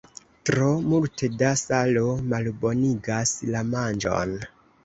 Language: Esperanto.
Tro multe da salo malbonigas la manĝon.